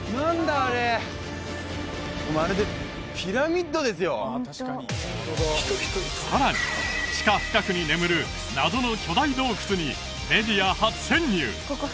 あれまるでさらに地下深くに眠る謎の巨大洞窟にメディア初潜入！